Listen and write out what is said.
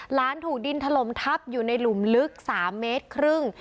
หลานถูกดินถล่มทับอยู่ในหลุมลึก๓เมตรครึ่ง